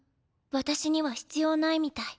私には必要ないみたい。